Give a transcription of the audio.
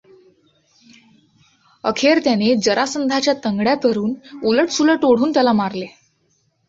अखेर त्याने जरासंधाच्या तंगड्या धरून उलटसुलट ओढून त्याला मारले.